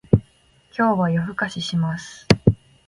今日は夜更かしします